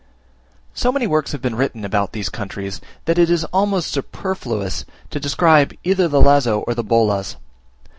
So many works have been written about these countries, that it is almost superfluous to describe either the lazo or the bolas.